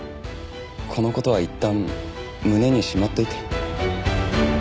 この事はいったん胸にしまっておいて。